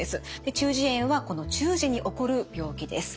中耳炎はこの中耳に起こる病気です。